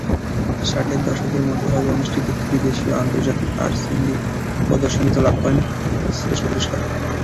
ষাটের দশকের মধ্যভাগে অনুষ্ঠিত ত্রিদেশীয় আন্তর্জাতিক আরসিডি প্রদর্শনীতেও লাভ করেন শ্রেষ্ঠ পুরস্কার।